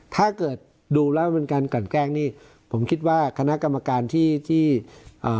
ถ้าเกิดดูแล้วเป็นการกลั่นแกล้งนี่ผมคิดว่าคณะกรรมการที่ที่เอ่อ